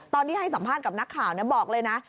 ตอนที่ให้สัมภาษณ์กับนักข่าวบอกเลยนะ